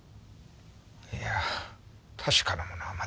いや確かなものはまだ。